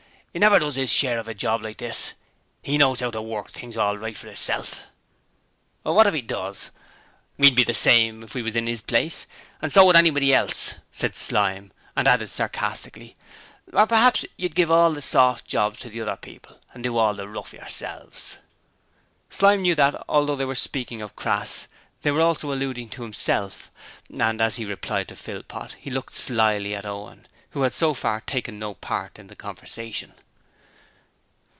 He never does 'is share of a job like this; 'e knows 'ow to work things all right for 'isself.' 'What if 'e does? We'd be the same if we was in 'is place, and so would anybody else,' said Slyme, and added sarcastically: 'Or p'haps you'd give all the soft jobs to other people and do all the rough yerself!' Slyme knew that, although they were speaking of Crass, they were also alluding to himself, and as he replied to Philpot he looked slyly at Owen, who had so far taken no part in the conversation.